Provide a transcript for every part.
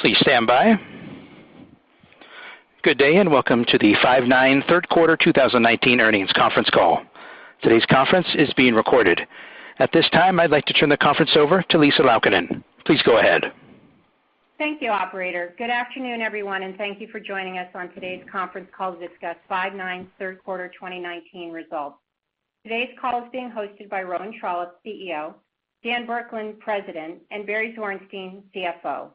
Please stand by. Good day, and welcome to the Five9 third quarter 2019 earnings conference call. Today's conference is being recorded. At this time, I'd like to turn the conference over to Lisa Laukkanen. Please go ahead Thank you, operator. Good afternoon, everyone, and thank you for joining us on today's conference call to discuss Five9's third quarter 2019 results. Today's call is being hosted by Rowan Trollope, CEO, Dan Burkland, President, and Barry Zwarenstein, CFO.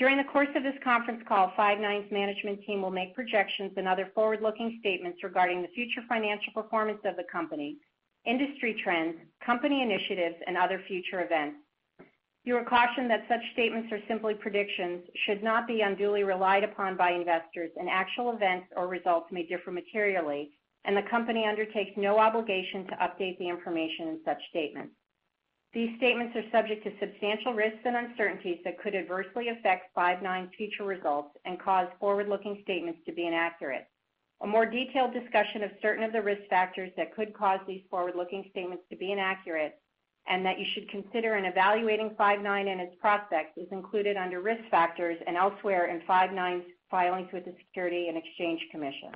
During the course of this conference call, Five9's management team will make projections and other forward-looking statements regarding the future financial performance of the company, industry trends, company initiatives, and other future events. You are cautioned that such statements are simply predictions, should not be unduly relied upon by investors, and actual events or results may differ materially, and the company undertakes no obligation to update the information in such statements. These statements are subject to substantial risks and uncertainties that could adversely affect Five9's future results and cause forward-looking statements to be inaccurate. A more detailed discussion of certain of the risk factors that could cause these forward-looking statements to be inaccurate and that you should consider in evaluating Five9 and its prospects is included under Risk Factors and elsewhere in Five9's filings with the Securities and Exchange Commission.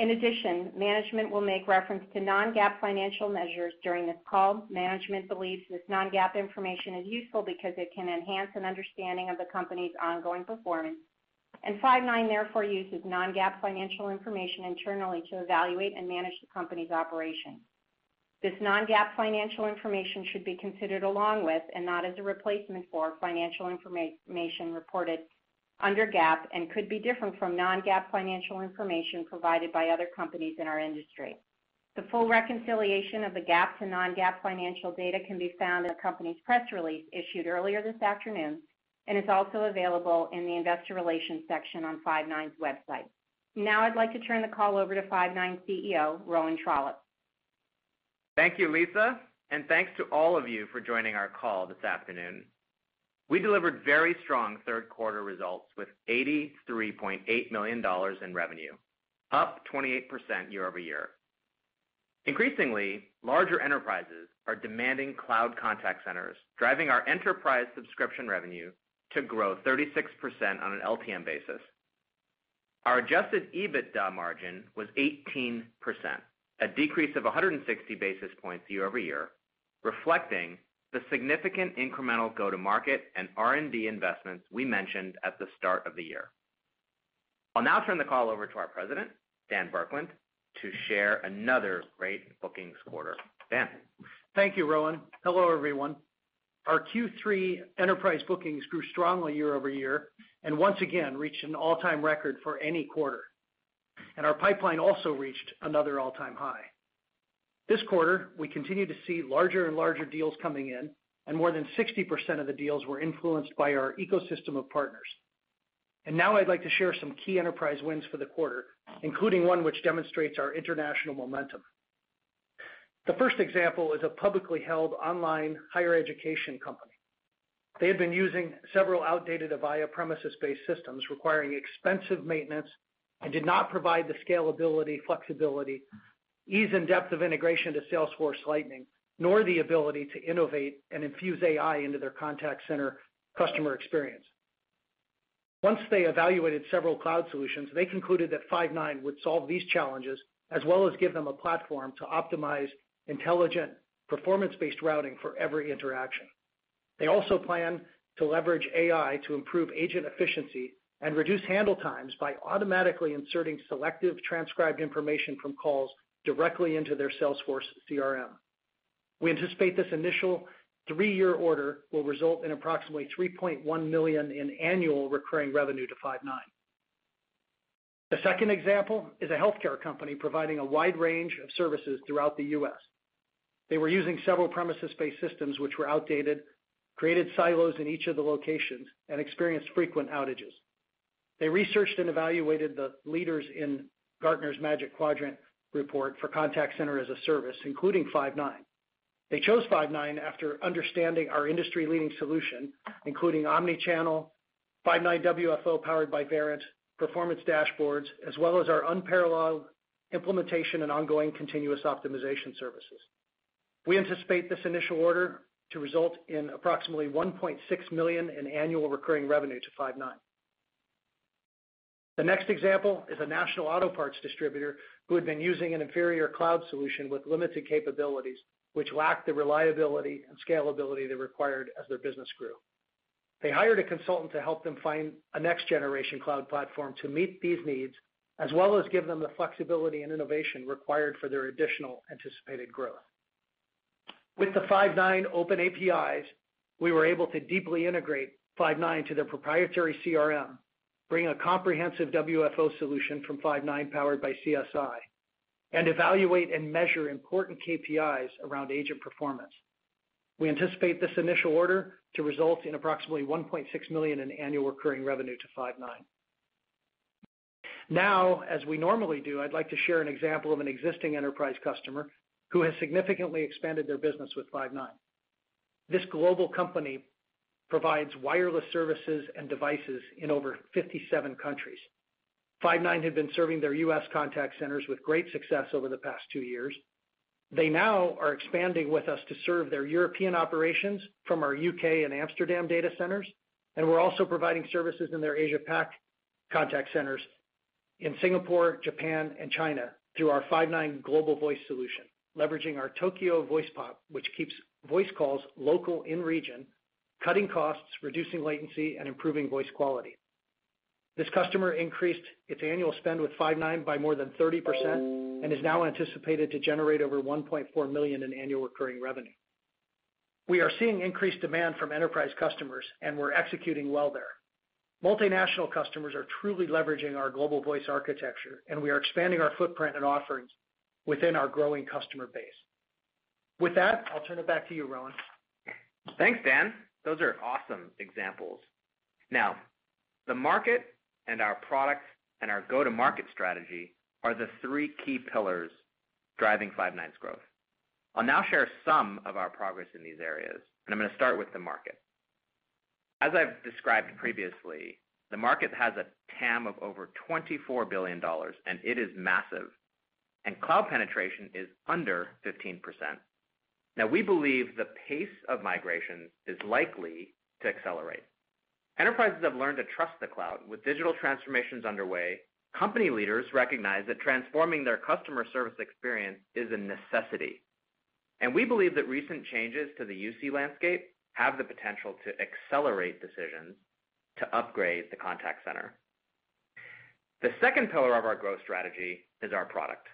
In addition, management will make reference to non-GAAP financial measures during this call. Management believes this non-GAAP information is useful because it can enhance an understanding of the company's ongoing performance, and Five9 therefore uses non-GAAP financial information internally to evaluate and manage the company's operations. This non-GAAP financial information should be considered along with, and not as a replacement for, financial information reported under GAAP and could be different from non-GAAP financial information provided by other companies in our industry. The full reconciliation of the GAAP to non-GAAP financial data can be found in the company's press release issued earlier this afternoon and is also available in the investor relations section on Five9's website. I'd like to turn the call over to Five9 CEO, Rowan Trollope. Thank you, Lisa, and thanks to all of you for joining our call this afternoon. We delivered very strong third quarter results with $83.8 million in revenue, up 28% year-over-year. Increasingly, larger enterprises are demanding cloud contact centers, driving our enterprise subscription revenue to grow 36% on an LTM basis. Our adjusted EBITDA margin was 18%, a decrease of 160 basis points year-over-year, reflecting the significant incremental go-to-market and R&D investments we mentioned at the start of the year. I'll now turn the call over to our President, Dan Burkland, to share another great bookings quarter. Dan? Thank you, Rowan. Hello, everyone. Our Q3 enterprise bookings grew strongly year-over-year, and once again, reached an all-time record for any quarter. Our pipeline also reached another all-time high. This quarter, we continue to see larger and larger deals coming in, and more than 60% of the deals were influenced by our ecosystem of partners. Now I'd like to share some key enterprise wins for the quarter, including one which demonstrates our international momentum. The first example is a publicly held online higher education company. They had been using several outdated Avaya premises-based systems requiring expensive maintenance and did not provide the scalability, flexibility, ease and depth of integration to Salesforce Lightning, nor the ability to innovate and infuse AI into their contact center customer experience. Once they evaluated several cloud solutions, they concluded that Five9 would solve these challenges, as well as give them a platform to optimize intelligent, performance-based routing for every interaction. They also plan to leverage AI to improve agent efficiency and reduce handle times by automatically inserting selective transcribed information from calls directly into their Salesforce CRM. We anticipate this initial three-year order will result in approximately $3.1 million in annual recurring revenue to Five9. The second example is a healthcare company providing a wide range of services throughout the U.S. They were using several premises-based systems which were outdated, created silos in each of the locations, and experienced frequent outages. They researched and evaluated the leaders in Gartner's Magic Quadrant report for contact center as a service, including Five9. They chose Five9 after understanding our industry-leading solution, including omni-channel, Five9 WFO powered by Verint, performance dashboards, as well as our unparalleled implementation and ongoing continuous optimization services. We anticipate this initial order to result in approximately $1.6 million in annual recurring revenue to Five9. The next example is a national auto parts distributor who had been using an inferior cloud solution with limited capabilities, which lacked the reliability and scalability they required as their business grew. They hired a consultant to help them find a next-generation cloud platform to meet these needs, as well as give them the flexibility and innovation required for their additional anticipated growth. With the Five9 open APIs, we were able to deeply integrate Five9 to their proprietary CRM, bring a comprehensive WFO solution from Five9 powered by CSI, and evaluate and measure important KPIs around agent performance. We anticipate this initial order to result in approximately $1.6 million in annual recurring revenue to Five9. As we normally do, I'd like to share an example of an existing enterprise customer who has significantly expanded their business with Five9. This global company provides wireless services and devices in over 57 countries. Five9 had been serving their U.S. contact centers with great success over the past two years. They now are expanding with us to serve their European operations from our U.K. and Amsterdam data centers, and we're also providing services in their Asia-Pac contact centers in Singapore, Japan, and China through our Five9 Global Voice solution, leveraging our Tokyo voice POP, which keeps voice calls local in region, cutting costs, reducing latency, and improving voice quality. This customer increased its annual spend with Five9 by more than 30% and is now anticipated to generate over $1.4 million in annual recurring revenue. We are seeing increased demand from enterprise customers, and we're executing well there. Multinational customers are truly leveraging our global voice architecture, and we are expanding our footprint and offerings within our growing customer base. With that, I'll turn it back to you, Rowan. Thanks, Dan. Those are awesome examples. The market and our product and our go-to-market strategy are the three key pillars driving Five9's growth. I'll now share some of our progress in these areas. I'm going to start with the market. As I've described previously, the market has a TAM of over $24 billion, and it is massive, and cloud penetration is under 15%. We believe the pace of migration is likely to accelerate. Enterprises have learned to trust the cloud. With digital transformations underway, company leaders recognize that transforming their customer service experience is a necessity. We believe that recent changes to the UC landscape have the potential to accelerate decisions to upgrade the contact center. The second pillar of our growth strategy is our product.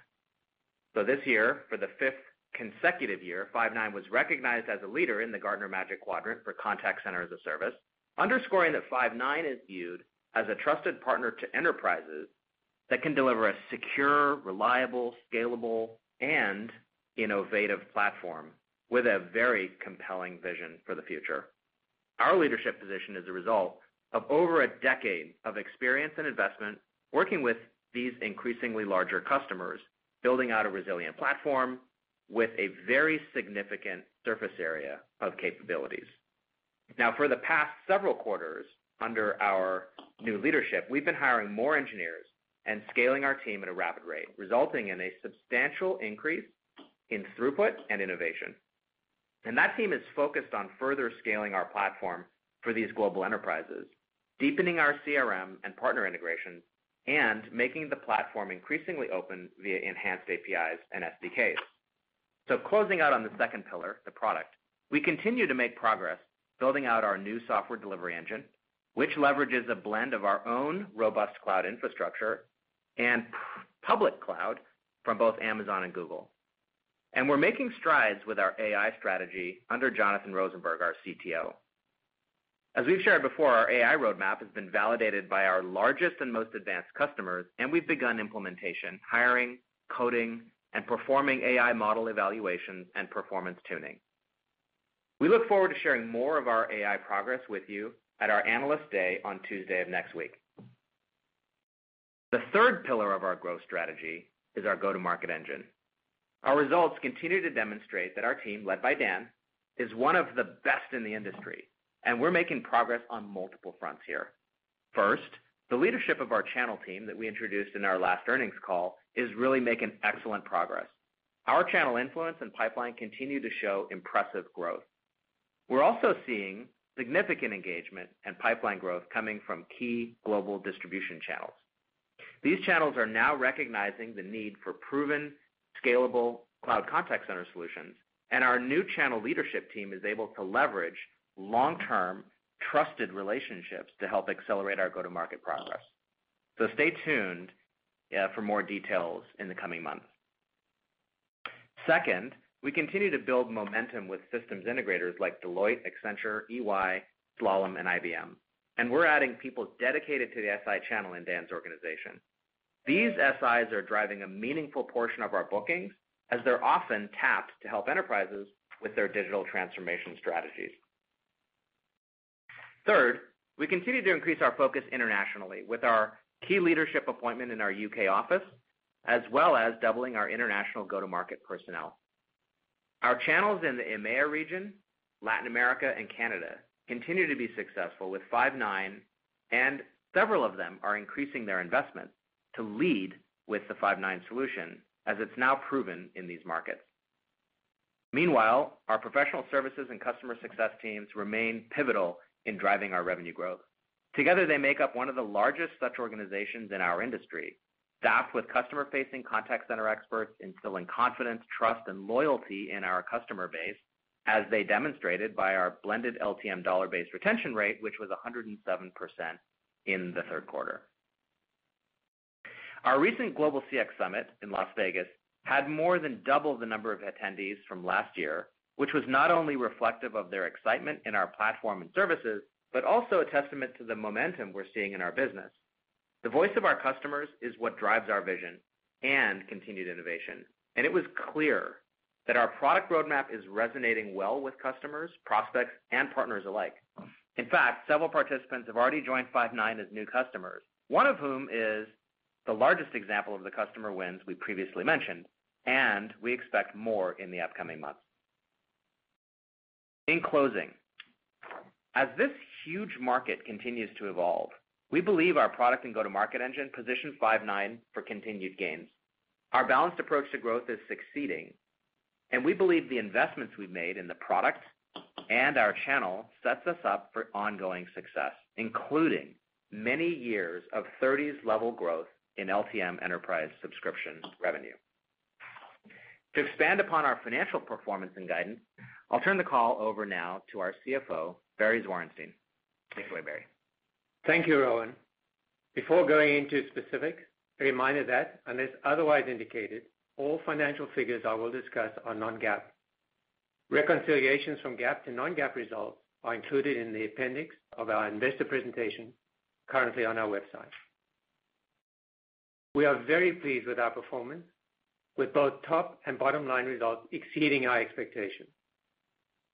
This year, for the fifth consecutive year, Five9 was recognized as a leader in the Gartner Magic Quadrant for contact center as a service, underscoring that Five9 is viewed as a trusted partner to enterprises that can deliver a secure, reliable, scalable, and innovative platform with a very compelling vision for the future. Our leadership position is a result of over a decade of experience and investment working with these increasingly larger customers, building out a resilient platform with a very significant surface area of capabilities. Now, for the past several quarters, under our new leadership, we've been hiring more engineers and scaling our team at a rapid rate, resulting in a substantial increase in throughput and innovation. That team is focused on further scaling our platform for these global enterprises, deepening our CRM and partner integrations, and making the platform increasingly open via enhanced APIs and SDKs. Closing out on the second pillar, the product, we continue to make progress building out our new software delivery engine, which leverages a blend of our own robust cloud infrastructure and public cloud from both Amazon and Google. We're making strides with our AI strategy under Jonathan Rosenberg, our CTO. As we've shared before, our AI roadmap has been validated by our largest and most advanced customers, and we've begun implementation, hiring, coding, and performing AI model evaluations and performance tuning. We look forward to sharing more of our AI progress with you at our Analyst Day on Tuesday of next week. The third pillar of our growth strategy is our go-to-market engine. Our results continue to demonstrate that our team, led by Dan, is one of the best in the industry, and we're making progress on multiple fronts here. First, the leadership of our channel team that we introduced in our last earnings call is really making excellent progress. Our channel influence and pipeline continue to show impressive growth. We're also seeing significant engagement and pipeline growth coming from key global distribution channels. These channels are now recognizing the need for proven, scalable cloud contact center solutions. Our new channel leadership team is able to leverage long-term, trusted relationships to help accelerate our go-to-market progress. Stay tuned for more details in the coming months. Second, we continue to build momentum with systems integrators like Deloitte, Accenture, EY, Slalom, and IBM. We're adding people dedicated to the SI channel in Dan's organization. These SIs are driving a meaningful portion of our bookings as they're often tapped to help enterprises with their digital transformation strategies. Third, we continue to increase our focus internationally with our key leadership appointment in our U.K. office, as well as doubling our international go-to-market personnel. Our channels in the EMEA region, Latin America, and Canada continue to be successful with Five9, and several of them are increasing their investment to lead with the Five9 solution, as it's now proven in these markets. Meanwhile, our professional services and customer success teams remain pivotal in driving our revenue growth. Together, they make up one of the largest such organizations in our industry, staffed with customer-facing contact center experts instilling confidence, trust, and loyalty in our customer base as they demonstrated by our blended LTM dollar-based retention rate, which was 107% in the third quarter. Our recent Five9 CX Summit in Las Vegas had more than double the number of attendees from last year, which was not only reflective of their excitement in our platform and services, but also a testament to the momentum we're seeing in our business. The voice of our customers is what drives our vision and continued innovation, and it was clear that our product roadmap is resonating well with customers, prospects, and partners alike. In fact, several participants have already joined Five9 as new customers, one of whom is the largest example of the customer wins we previously mentioned, and we expect more in the upcoming months. In closing, as this huge market continues to evolve, we believe our product and go-to-market engine position Five9 for continued gains. Our balanced approach to growth is succeeding. We believe the investments we've made in the product and our channel sets us up for ongoing success, including many years of 30s level growth in LTM enterprise subscription revenue. To expand upon our financial performance and guidance, I'll turn the call over now to our CFO, Barry Zwarenstein. Take it away, Barry. Thank you, Rowan. Before going into specifics, a reminder that, unless otherwise indicated, all financial figures I will discuss are non-GAAP. Reconciliations from GAAP to non-GAAP results are included in the appendix of our investor presentation currently on our website. We are very pleased with our performance, with both top and bottom line results exceeding our expectations.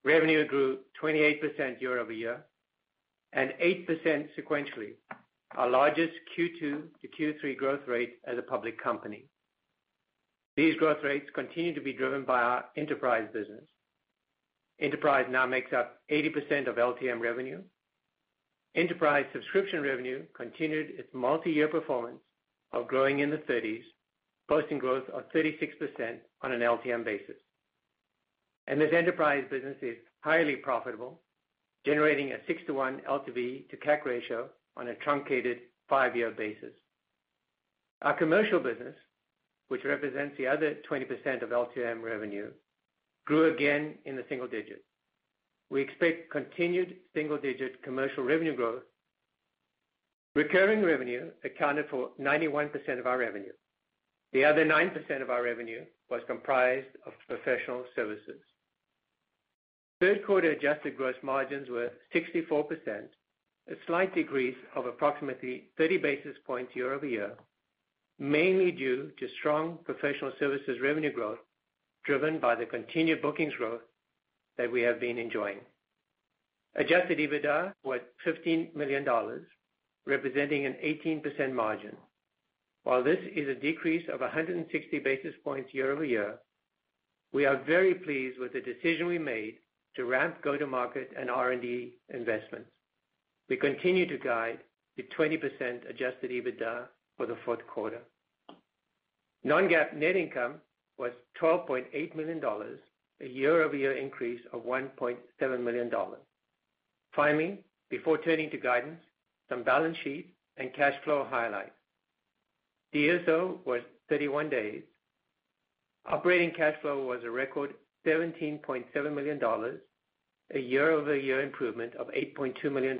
Revenue grew 28% year-over-year and 8% sequentially, our largest Q2 to Q3 growth rate as a public company. These growth rates continue to be driven by our enterprise business. Enterprise now makes up 80% of LTM revenue. Enterprise subscription revenue continued its multi-year performance of growing in the thirties, posting growth of 36% on an LTM basis. This enterprise business is highly profitable, generating a six to 1 LTV to CAC ratio on a truncated five-year basis. Our commercial business, which represents the other 20% of LTM revenue, grew again in the single digits. We expect continued single-digit commercial revenue growth. Recurring revenue accounted for 91% of our revenue. The other 9% of our revenue was comprised of professional services. Third quarter adjusted gross margins were 64%, a slight decrease of approximately 30 basis points year-over-year, mainly due to strong professional services revenue growth driven by the continued bookings growth that we have been enjoying. Adjusted EBITDA was $15 million, representing an 18% margin. While this is a decrease of 160 basis points year-over-year, we are very pleased with the decision we made to ramp go-to-market and R&D investments. We continue to guide to 20% adjusted EBITDA for the fourth quarter. Non-GAAP net income was $12.8 million, a year-over-year increase of $1.7 million. Finally, before turning to guidance, some balance sheet and cash flow highlights. DSO was 31 days. Operating cash flow was a record $17.7 million, a year-over-year improvement of $8.2 million.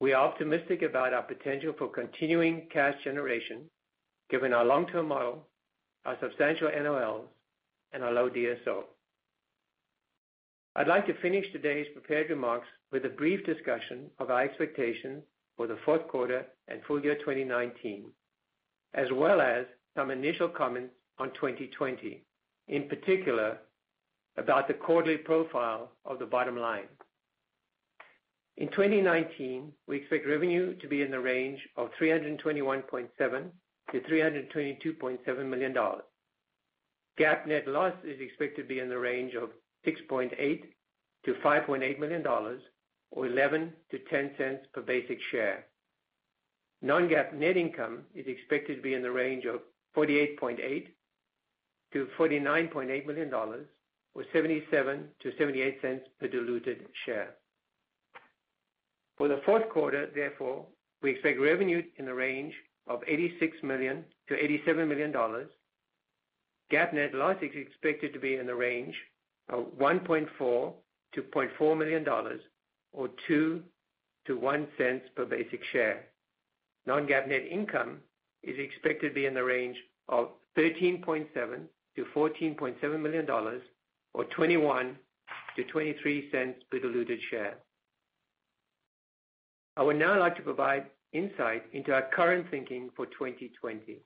We are optimistic about our potential for continuing cash generation given our long-term model, our substantial NOLs, and our low DSO. I'd like to finish today's prepared remarks with a brief discussion of our expectations for the fourth quarter and full year 2019, as well as some initial comments on 2020. In particular, about the quarterly profile of the bottom line. In 2019, we expect revenue to be in the range of $321.7 million-$322.7 million. GAAP net loss is expected to be in the range of $6.8 million-$5.8 million, or $0.11-$0.10 per basic share. Non-GAAP net income is expected to be in the range of $48.8 million-$49.8 million, or $0.77-$0.78 per diluted share. For the fourth quarter, therefore, we expect revenue in the range of $86 million-$87 million. GAAP net loss is expected to be in the range of $1.4 million-$4 million, or $0.02-$0.01 per basic share. Non-GAAP net income is expected to be in the range of $13.7 million-$14.7 million, or $0.21-$0.23 per diluted share. I would now like to provide insight into our current thinking for 2020.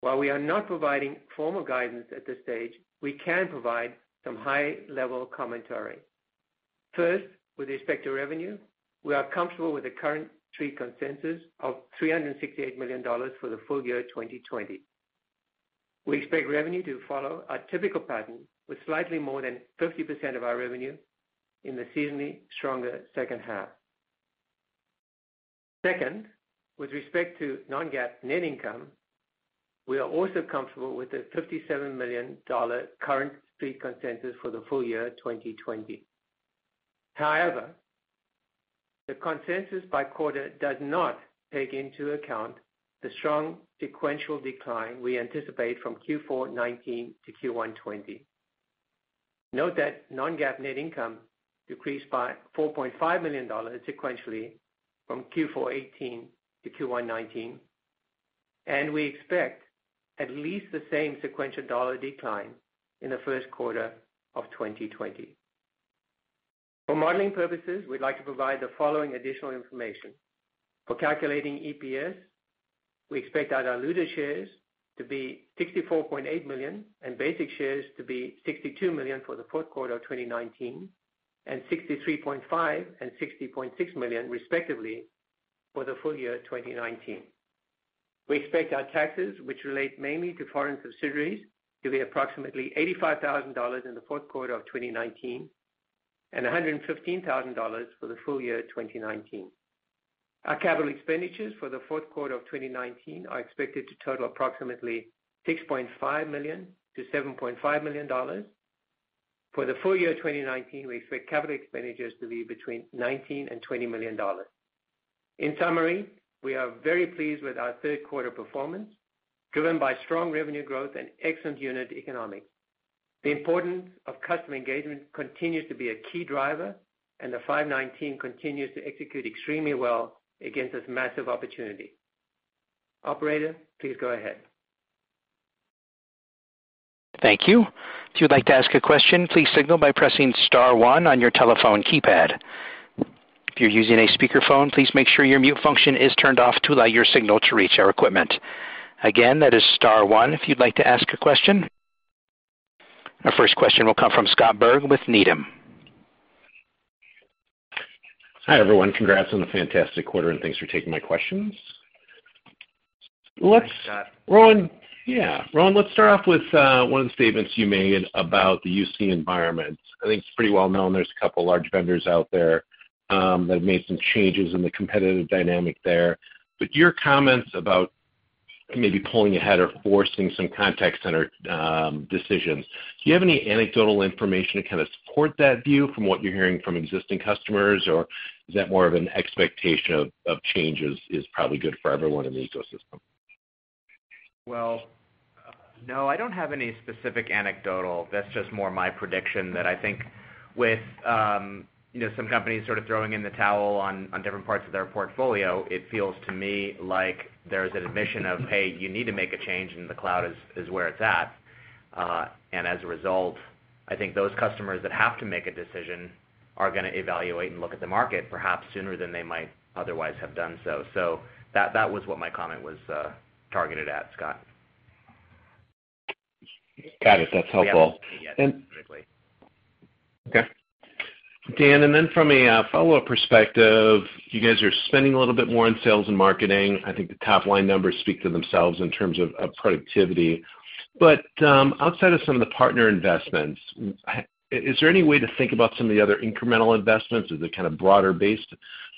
While we are not providing formal guidance at this stage, we can provide some high-level commentary. First, with respect to revenue, we are comfortable with the current street consensus of $368 million for the full year 2020. We expect revenue to follow a typical pattern with slightly more than 50% of our revenue in the seasonally stronger second half. Second, with respect to non-GAAP net income, we are also comfortable with the $57 million current street consensus for the full year 2020. However, the consensus by quarter does not take into account the strong sequential decline we anticipate from Q4 2019 to Q1 2020. Note that non-GAAP net income decreased by $4.5 million sequentially from Q4 2018 to Q1 2019, and we expect at least the same sequential dollar decline in the first quarter of 2020. For modeling purposes, we'd like to provide the following additional information. For calculating EPS, we expect our diluted shares to be 64.8 million and basic shares to be 62 million for the fourth quarter of 2019 and 63.5 and 60.6 million respectively for the full year 2019. We expect our taxes, which relate mainly to foreign subsidiaries, to be approximately $85,000 in the fourth quarter of 2019 and $115,000 for the full year 2019. Our capital expenditures for the fourth quarter of 2019 are expected to total approximately $6.5 million-$7.5 million. For the full year 2019, we expect capital expenditures to be between $19 and $20 million. In summary, we are very pleased with our third quarter performance, driven by strong revenue growth and excellent unit economics. The importance of customer engagement continues to be a key driver, and the Five9 team continues to execute extremely well against this massive opportunity. Operator, please go ahead. Thank you. If you would like to ask a question, please signal by pressing star one on your telephone keypad. If you're using a speakerphone, please make sure your mute function is turned off to allow your signal to reach our equipment. Again, that is star one if you'd like to ask a question. Our first question will come from Scott Berg with Needham. Hi, everyone. Congrats on the fantastic quarter. Thanks for taking my questions. Thanks, Scott. Rowan. Yeah, Rowan, let's start off with one of the statements you made about the UC environment. I think it's pretty well known there's a couple large vendors out there that have made some changes in the competitive dynamic there, but your comments about maybe pulling ahead or forcing some contact center decisions, do you have any anecdotal information to kind of support that view from what you're hearing from existing customers, or is that more of an expectation of change is probably good for everyone in the ecosystem? Well, no, I don't have any specific anecdotal. That's just more my prediction, that I think with some companies sort of throwing in the towel on different parts of their portfolio, it feels to me like there's an admission of, hey, you need to make a change, and the cloud is where it's at. As a result, I think those customers that have to make a decision are gonna evaluate and look at the market perhaps sooner than they might otherwise have done so. That was what my comment was targeted at, Scott. Got it. That's helpful. We haven't seen it yet specifically. Okay. Dan, from a follow-up perspective, you guys are spending a little bit more on sales and marketing. I think the top-line numbers speak to themselves in terms of productivity. Outside of some of the partner investments, is there any way to think about some of the other incremental investments? Is it kind of broader based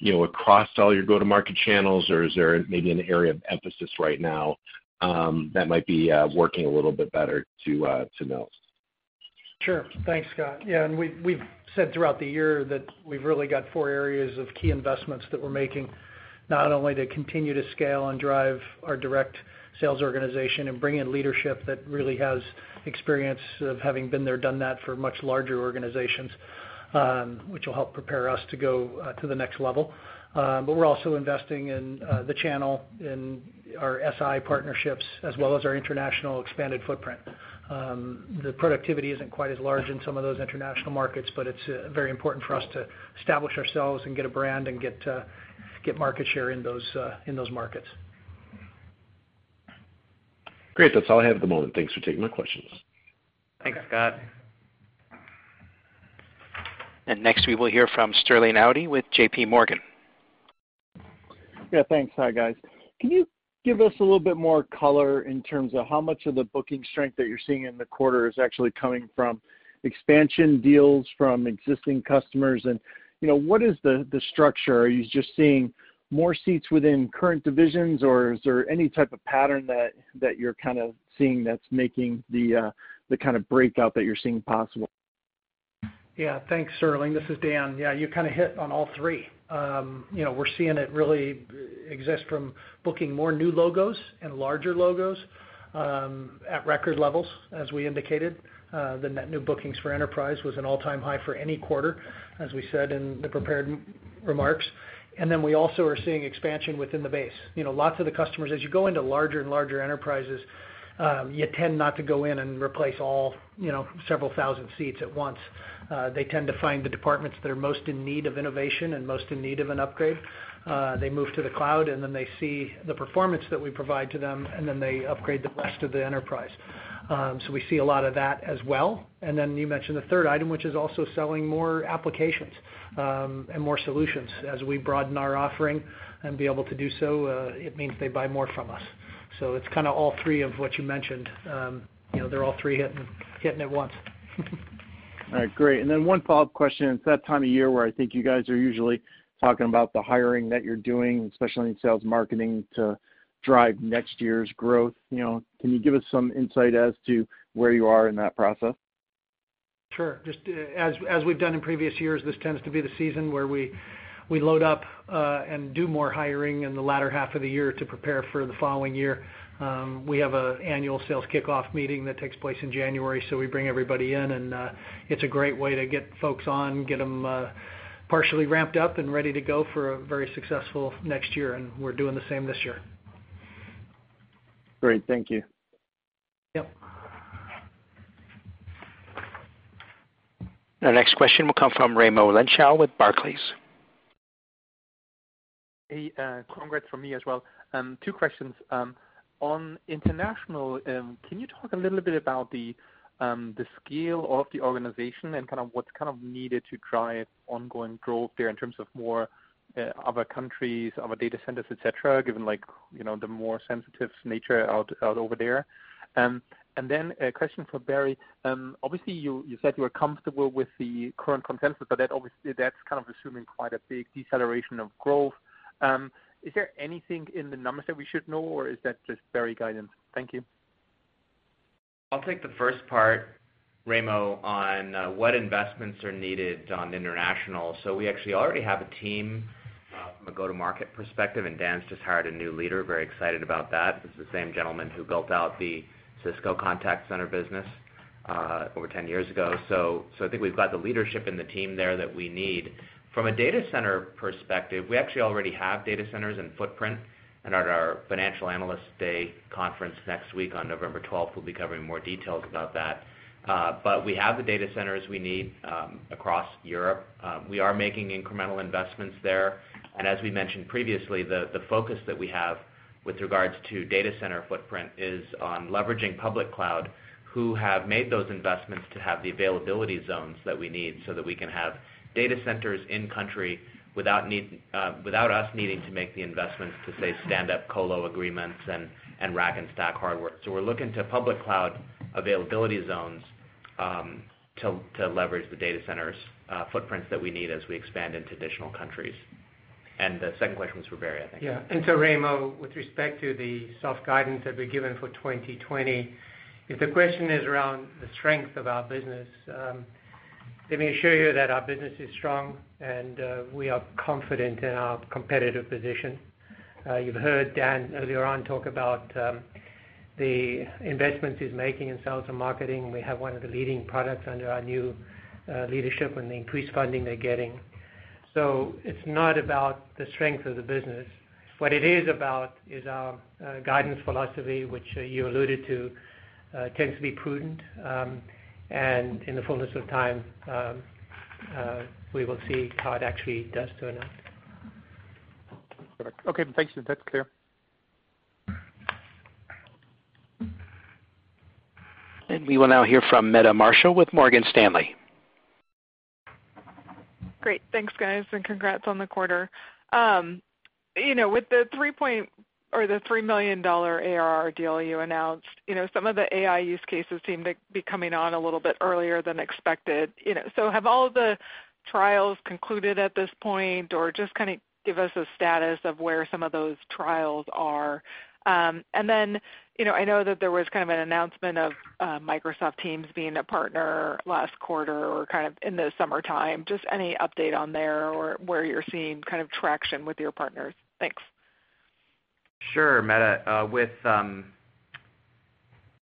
across all your go-to-market channels, or is there maybe an area of emphasis right now that might be working a little bit better to know? Sure. Thanks, Scott. Yeah, we've said throughout the year that we've really got four areas of key investments that we're making, not only to continue to scale and drive our direct sales organization and bring in leadership that really has experience of having been there, done that for much larger organizations, which will help prepare us to go to the next level. We're also investing in the channel, in our SI partnerships, as well as our international expanded footprint. The productivity isn't quite as large in some of those international markets, but it's very important for us to establish ourselves and get a brand and get market share in those markets. Great. That's all I have at the moment. Thanks for taking my questions. Thanks, Scott. Next we will hear from Sterling Auty with JPMorgan. Yeah, thanks. Hi, guys. Can you give us a little bit more color in terms of how much of the booking strength that you're seeing in the quarter is actually coming from expansion deals from existing customers, and what is the structure? Are you just seeing more seats within current divisions, or is there any type of pattern that you're kind of seeing that's making the kind of breakout that you're seeing possible? Yeah. Thanks, Sterling. This is Dan. Yeah, you kind of hit on all three. We're seeing it really exist from booking more new logos and larger logos at record levels, as we indicated. The net new bookings for Enterprise was an all-time high for any quarter, as we said in the prepared remarks. We also are seeing expansion within the base. Lots of the customers, as you go into larger and larger enterprises, you tend not to go in and replace all several thousand seats at once. They tend to find the departments that are most in need of innovation and most in need of an upgrade. They move to the cloud, and then they see the performance that we provide to them, and then they upgrade the rest of the enterprise. We see a lot of that as well. Then you mentioned the third item, which is also selling more applications and more solutions. As we broaden our offering and be able to do so, it means they buy more from us. It's kind of all three of what you mentioned. They're all three hitting at once. All right, great. Then one follow-up question. It's that time of year where I think you guys are usually talking about the hiring that you're doing, especially in sales marketing, to drive next year's growth. Can you give us some insight as to where you are in that process? Sure. As we've done in previous years, this tends to be the season where we load up and do more hiring in the latter half of the year to prepare for the following year. We have an annual sales kickoff meeting that takes place in January, so we bring everybody in, and it's a great way to get folks on, get them partially ramped up and ready to go for a very successful next year, and we're doing the same this year. Great. Thank you. Yep. Our next question will come from Raimo Lenschow with Barclays. Hey, congrats from me as well. Two questions. On international, can you talk a little bit about the scale of the organization and what's kind of needed to drive ongoing growth there in terms of more other countries, other data centers, et cetera, given the more sensitive nature out over there? A question for Barry. Obviously, you said you were comfortable with the current consensus, but that's kind of assuming quite a big deceleration of growth. Is there anything in the numbers that we should know, or is that just Barry guidance? Thank you. I'll take the first part, Raimo, on what investments are needed on international. We actually already have a team from a go-to-market perspective, and Dan's just hired a new leader. Very excited about that. This is the same gentleman who built out the Cisco contact center business over 10 years ago. I think we've got the leadership in the team there that we need. From a data center perspective, we actually already have data centers and footprint, and at our Financial Analyst Day conference next week on November 12th, we'll be covering more details about that. We have the data centers we need across Europe. We are making incremental investments there. As we mentioned previously, the focus that we have with regards to data center footprint is on leveraging public cloud, who have made those investments to have the availability zones that we need so that we can have data centers in country without us needing to make the investments to, say, stand up colo agreements and rack-and-stack hardware. We're looking to public cloud availability zones to leverage the data centers footprints that we need as we expand into additional countries. The second question was for Barry Zwarenstein, I think. Yeah. Raimo, with respect to the soft guidance that we've given for 2020, if the question is around the strength of our business, let me assure you that our business is strong, and we are confident in our competitive position. You've heard Dan earlier on talk about the investments he's making in sales and marketing. We have one of the leading products under our new leadership and the increased funding they're getting. It's not about the strength of the business. What it is about is our guidance philosophy, which you alluded to tends to be prudent. In the fullness of time, we will see how it actually does turn out. Perfect. Okay, thanks. That's clear. We will now hear from Meta Marshall with Morgan Stanley. Great. Thanks, guys, and congrats on the quarter. With the $3 million ARR deal you announced, some of the AI use cases seem to be coming on a little bit earlier than expected. Have all the trials concluded at this point, or just kind of give us a status of where some of those trials are. Then, I know that there was kind of an announcement of Microsoft Teams being a partner last quarter or kind of in the summertime. Just any update on there or where you're seeing kind of traction with your partners? Thanks. Sure, Meta.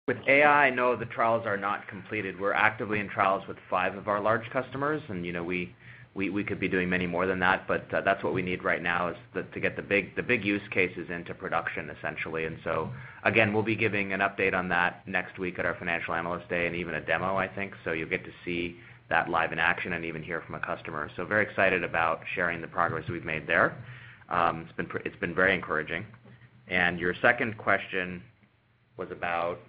With AI, no, the trials are not completed. We're actively in trials with five of our large customers, and we could be doing many more than that, but that's what we need right now is to get the big use cases into production, essentially. Again, we'll be giving an update on that next week at our Financial Analyst Day and even a demo, I think. You'll get to see that live in action and even hear from a customer. Very excited about sharing the progress we've made there. It's been very encouraging. Your second question was about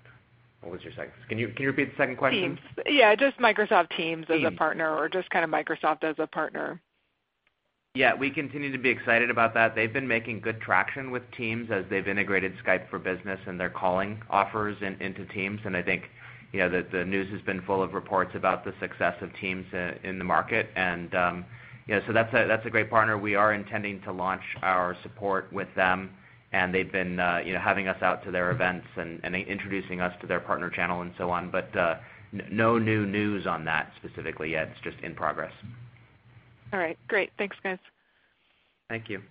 What was your second? Can you repeat the second question? Teams. Yeah, just Microsoft Teams as a partner- Teams. just kind of Microsoft as a partner. Yeah, we continue to be excited about that. They've been making good traction with Microsoft Teams as they've integrated Skype for Business and their calling offers into Microsoft Teams, and I think the news has been full of reports about the success of Microsoft Teams in the market. That's a great partner. We are intending to launch our support with them, and they've been having us out to their events and introducing us to their partner channel and so on. No new news on that specifically yet. It's just in progress. All right. Great. Thanks, guys. Thank you.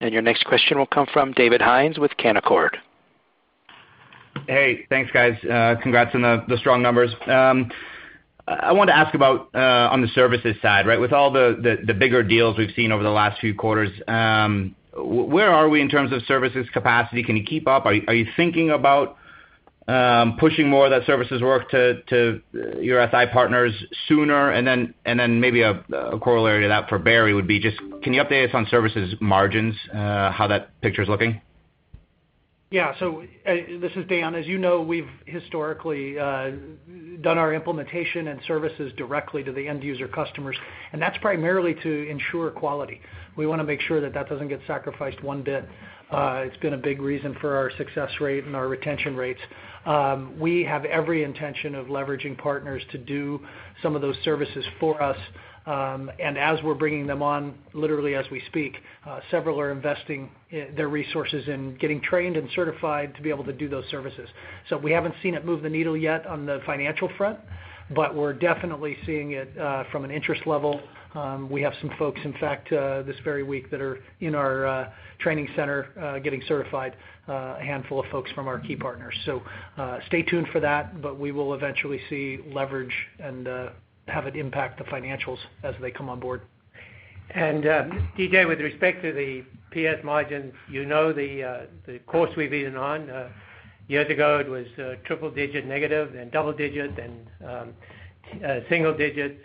Your next question will come from David Hynes with Canaccord. Hey, thanks, guys. Congrats on the strong numbers. I wanted to ask about on the services side. With all the bigger deals we've seen over the last few quarters, where are we in terms of services capacity? Can you keep up? Are you thinking about pushing more of that services work to your SI partners sooner? Then maybe a corollary to that for Barry would be just, can you update us on services margins, how that picture's looking? This is Dan. As you know, we've historically done our implementation and services directly to the end user customers, and that's primarily to ensure quality. We want to make sure that that doesn't get sacrificed one bit. It's been a big reason for our success rate and our retention rates. We have every intention of leveraging partners to do some of those services for us. As we're bringing them on, literally as we speak, several are investing their resources in getting trained and certified to be able to do those services. We haven't seen it move the needle yet on the financial front, but we're definitely seeing it from an interest level. We have some folks, in fact, this very week that are in our training center getting certified, a handful of folks from our key partners. Stay tuned for that, but we will eventually see leverage and have it impact the financials as they come on board. DJ, with respect to the PS margins, you know the course we've been on. Years ago, it was triple digit negative, then double digit, then single digit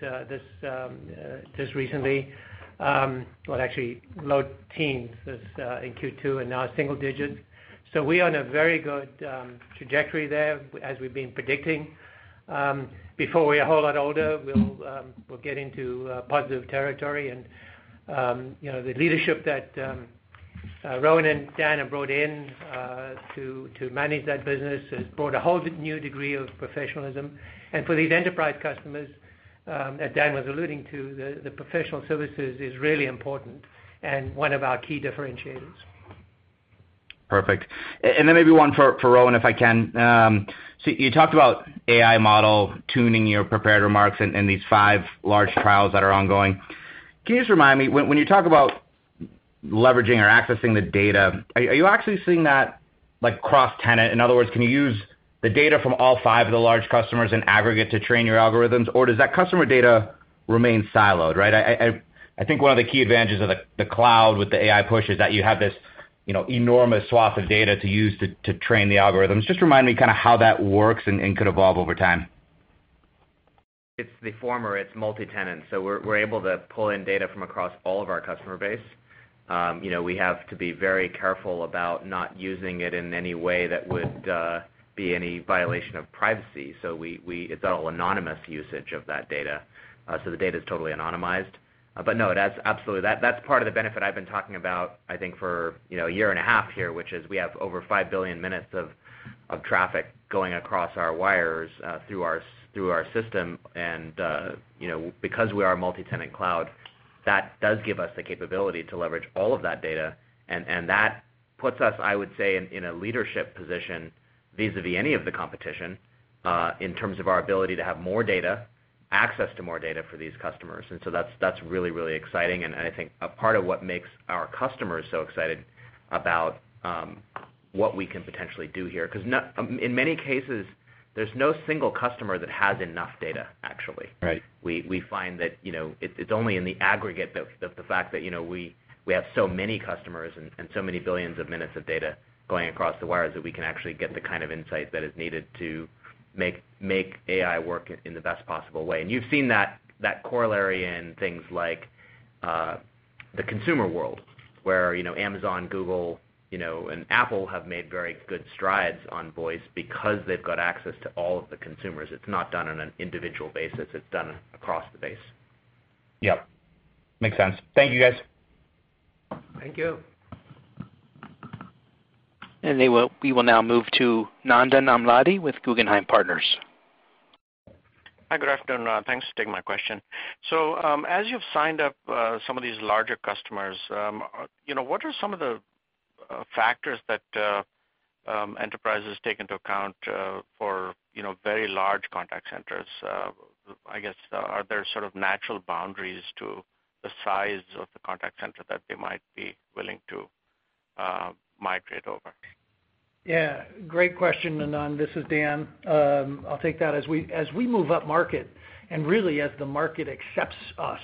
just recently. Well, actually low teens in Q2 and now single digits. We are on a very good trajectory there as we've been predicting. Before we're a whole lot older, we'll get into positive territory and the leadership that Rowan and Dan have brought in to manage that business has brought a whole new degree of professionalism. For these enterprise customers, as Dan was alluding to, the professional services is really important and one of our key differentiators. Perfect. Maybe one for Rowan, if I can. You talked about AI model tuning your prepared remarks in these five large trials that are ongoing. Can you just remind me, when you talk about leveraging or accessing the data, are you actually seeing that cross-tenant? In other words, can you use the data from all five of the large customers in aggregate to train your algorithms, or does that customer data remain siloed, right? I think one of the key advantages of the cloud with the AI push is that you have this enormous swath of data to use to train the algorithms. Just remind me kind of how that works and could evolve over time. It's the former, it's multi-tenant, so we're able to pull in data from across all of our customer base. We have to be very careful about not using it in any way that would be any violation of privacy. It's all anonymous usage of that data. The data's totally anonymized. No, absolutely. That's part of the benefit I've been talking about, I think for a year and a half here, which is we have over 5 billion minutes of traffic going across our wires through our system. Because we are a multi-tenant cloud, that does give us the capability to leverage all of that data, and that puts us, I would say, in a leadership position vis-a-vis any of the competition in terms of our ability to have more data, access to more data for these customers. That's really exciting and I think a part of what makes our customers so excited about what we can potentially do here. In many cases, there's no single customer that has enough data, actually. Right. We find that it's only in the aggregate that the fact that we have so many customers and so many billions of minutes of data going across the wires, that we can actually get the kind of insight that is needed to make AI work in the best possible way. You've seen that corollary in things like the consumer world where Amazon, Google, and Apple have made very good strides on voice because they've got access to all of the consumers. It's not done on an individual basis, it's done across the base. Yep. Makes sense. Thank you, guys. Thank you. We will now move to Nandan Amladi with Guggenheim Partners. Hi, good afternoon. Thanks for taking my question. As you've signed up some of these larger customers, what are some of the factors that enterprises take into account for very large contact centers? I guess are there sort of natural boundaries to the size of the contact center that they might be willing to migrate over? Yeah, great question, Nandan. This is Dan. I'll take that. As we move up market, really as the market accepts us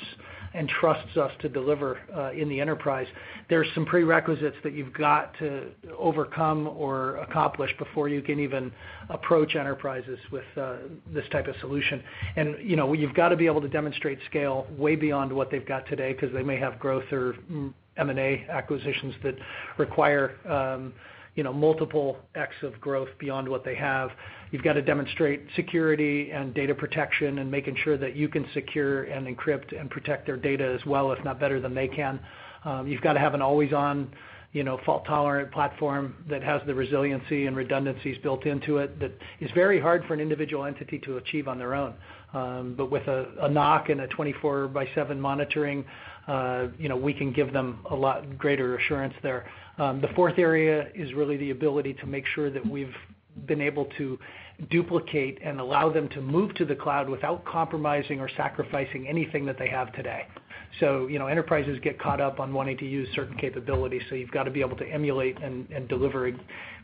and trusts us to deliver in the enterprise, there are some prerequisites that you've got to overcome or accomplish before you can even approach enterprises with this type of solution. You've got to be able to demonstrate scale way beyond what they've got today because they may have growth or M&A acquisitions that require multiple X of growth beyond what they have. You've got to demonstrate security and data protection and making sure that you can secure and encrypt and protect their data as well, if not better than they can. You've got to have an always-on fault-tolerant platform that has the resiliency and redundancies built into it that is very hard for an individual entity to achieve on their own. With a knock and a 24 by seven monitoring, we can give them a lot greater assurance there. The fourth area is really the ability to make sure that we've been able to duplicate and allow them to move to the cloud without compromising or sacrificing anything that they have today. Enterprises get caught up on wanting to use certain capabilities, so you've got to be able to emulate and deliver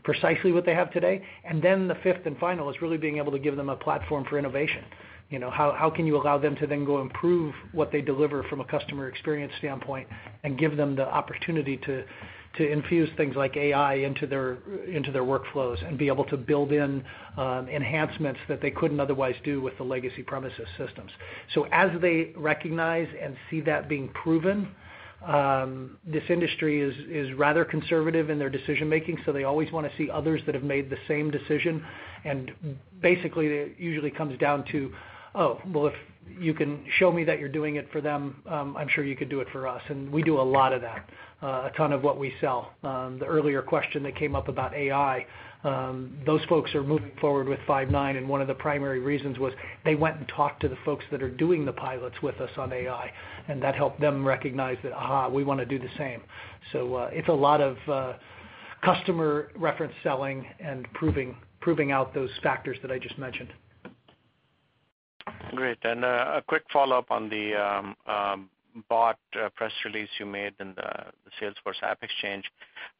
precisely what they have today. The fifth and final is really being able to give them a platform for innovation. How can you allow them to then go improve what they deliver from a customer experience standpoint and give them the opportunity to infuse things like AI into their workflows and be able to build in enhancements that they couldn't otherwise do with the legacy premises systems. As they recognize and see that being proven, this industry is rather conservative in their decision-making, so they always want to see others that have made the same decision. Basically, it usually comes down to, "Oh, well, if you can show me that you're doing it for them, I'm sure you could do it for us." We do a lot of that, a ton of what we sell. The earlier question that came up about AI, those folks are moving forward with Five9, and one of the primary reasons was they went and talked to the folks that are doing the pilots with us on AI, and that helped them recognize that, "Aha, we want to do the same." It's a lot of customer reference selling and proving out those factors that I just mentioned. Great. A quick follow-up on the bot press release you made in the Salesforce AppExchange.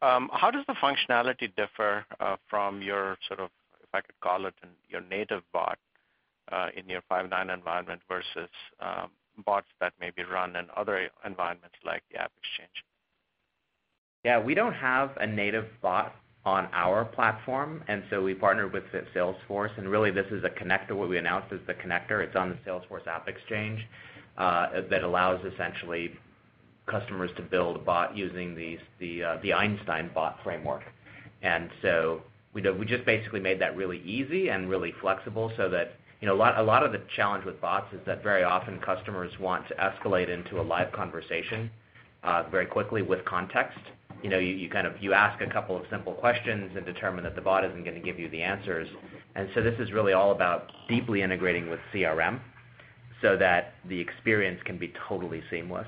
How does the functionality differ from your sort of, if I could call it, your native bot in your Five9 environment versus bots that may be run in other environments like the AppExchange? We don't have a native bot on our platform. We partnered with Salesforce. Really, this is a connector. What we announced is the connector. It's on the Salesforce AppExchange that allows essentially customers to build a bot using the Einstein bot framework. We just basically made that really easy and really flexible. A lot of the challenge with bots is that very often customers want to escalate into a live conversation, very quickly with context. You ask a couple of simple questions and determine that the bot isn't going to give you the answers. This is really all about deeply integrating with CRM so that the experience can be totally seamless.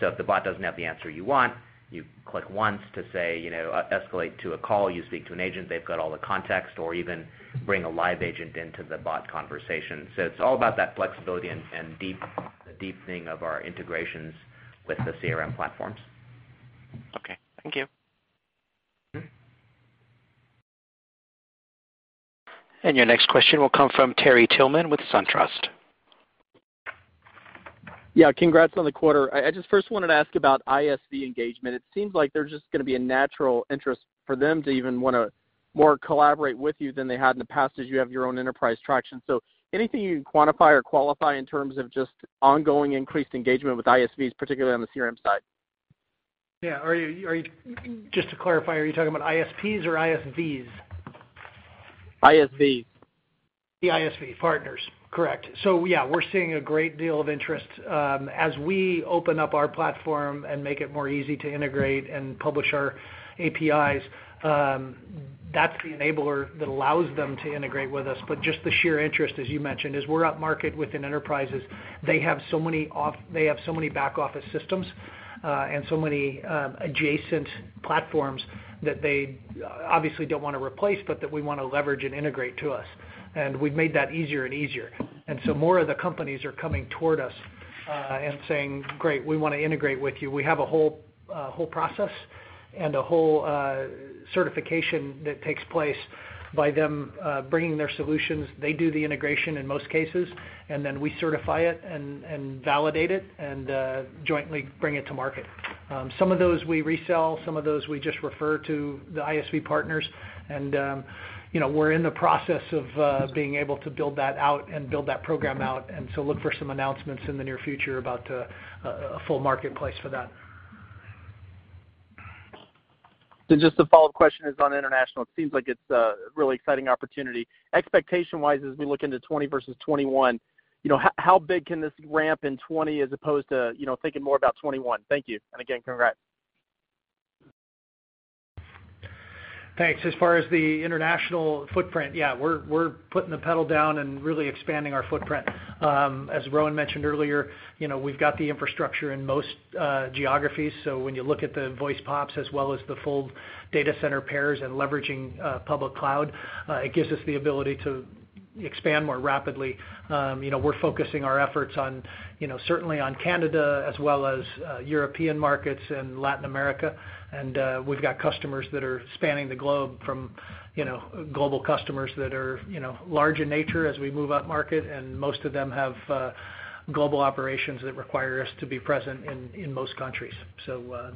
If the bot doesn't have the answer you want, you click once to say, escalate to a call. You speak to an agent, they've got all the context, or even bring a live agent into the bot conversation. It's all about that flexibility and the deepening of our integrations with the CRM platforms. Okay. Thank you. Your next question will come from Terrell Tillman with SunTrust. Yeah. Congrats on the quarter. I just first wanted to ask about ISV engagement. It seems like there's just going to be a natural interest for them to even want to more collaborate with you than they had in the past, as you have your own enterprise traction. Anything you can quantify or qualify in terms of just ongoing increased engagement with ISVs, particularly on the CRM side? Yeah. Just to clarify, are you talking about ISPs or ISVs? ISVs. The ISV partners. Correct. Yeah, we're seeing a great deal of interest. As we open up our platform and make it more easy to integrate and publish our APIs, that's the enabler that allows them to integrate with us. Just the sheer interest, as you mentioned, is we're up market within enterprises. They have so many back office systems, and so many adjacent platforms that they obviously don't want to replace, but that we want to leverage and integrate to us. We've made that easier and easier. More of the companies are coming toward us, and saying, "Great, we want to integrate with you." We have a whole process and a whole certification that takes place by them bringing their solutions. They do the integration in most cases, and then we certify it and validate it and jointly bring it to market. Some of those we resell, some of those we just refer to the ISV partners we're in the process of being able to build that out and build that program out. Look for some announcements in the near future about a full marketplace for that. Just a follow-up question is on international. It seems like it's a really exciting opportunity. Expectation-wise, as we look into 2020 versus 2021, how big can this ramp in 2020 as opposed to thinking more about 2021? Thank you. Again, congrats. Thanks. As far as the international footprint, yeah, we're putting the pedal down and really expanding our footprint. As Rowan mentioned earlier, we've got the infrastructure in most geographies, so when you look at the voice POPs as well as the full data center pairs and leveraging public cloud, it gives us the ability to expand more rapidly. We're focusing our efforts certainly on Canada as well as European markets and Latin America, and we've got customers that are spanning the globe from global customers that are large in nature as we move up market, and most of them have global operations that require us to be present in most countries.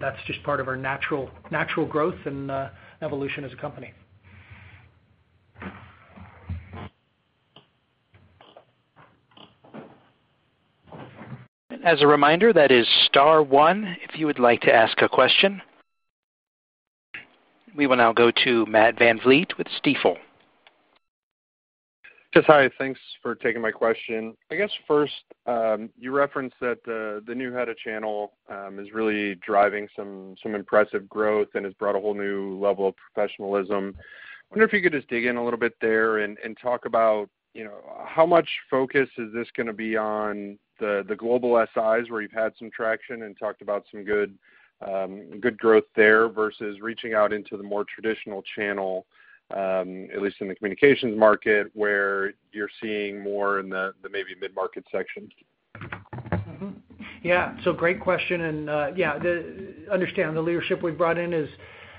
That's just part of our natural growth and evolution as a company. As a reminder, that is star one if you would like to ask a question. We will now go to Matt VanVleet with Stifel. Yes, hi. Thanks for taking my question. I guess first, you referenced that the new head of channel is really driving some impressive growth and has brought a whole new level of professionalism. Wonder if you could just dig in a little bit there and talk about how much focus is this going to be on the global SIs where you've had some traction and talked about some good growth there, versus reaching out into the more traditional channel, at least in the communications market, where you're seeing more in the maybe mid-market section? Mm-hmm. Yeah. Great question. Yeah, understand the leadership we've brought in is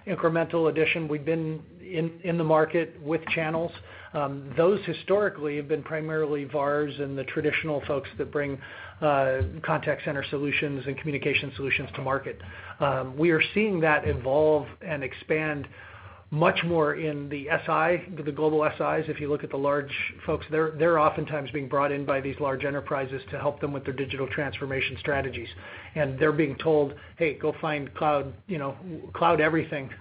incremental addition. We've been in the market with channels. Those historically have been primarily VARs and the traditional folks that bring contact center solutions and communication solutions to market. We are seeing that evolve and expand much more in the SI, the global SIs. If you look at the large folks, they're oftentimes being brought in by these large enterprises to help them with their digital transformation strategies. They're being told, "Hey, go find cloud everything,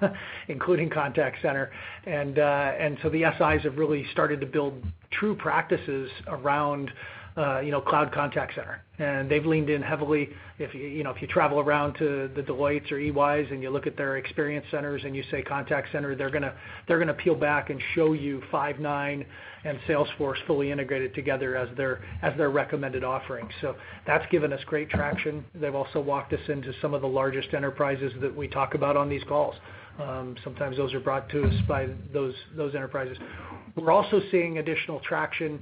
including contact center." The SIs have really started to build true practices around cloud contact center. They've leaned in heavily. If you travel around to the Deloittes or EYs and you look at their experience centers and you say, "Contact center," they're going to peel back and show you Five9 and Salesforce fully integrated together as their recommended offering. That's given us great traction. They've also walked us into some of the largest enterprises that we talk about on these calls. Sometimes those are brought to us by those enterprises. We're also seeing additional traction,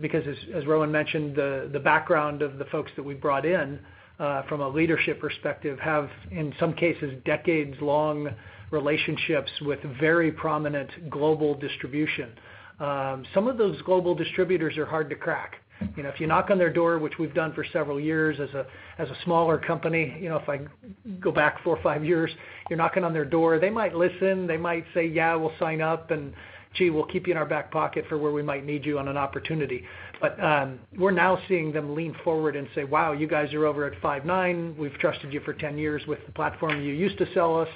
because as Rowan mentioned, the background of the folks that we've brought in, from a leadership perspective, have, in some cases, decades-long relationships with very prominent global distribution. Some of those global distributors are hard to crack. If you knock on their door, which we've done for several years as a smaller company, if I go back four or five years, you're knocking on their door, they might listen, they might say, "Yeah, we'll sign up, and gee, we'll keep you in our back pocket for where we might need you on an opportunity." We're now seeing them lean forward and say, "Wow, you guys are over at Five9. We've trusted you for 10 years with the platform you used to sell us."